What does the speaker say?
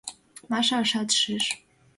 Маша ышат шиж.